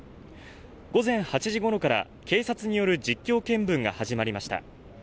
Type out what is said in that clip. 午前８時ごろから警察による実況見分が始まりました